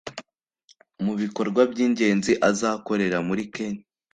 Mu bikorwa by’ingenzi azakorera muri Kenya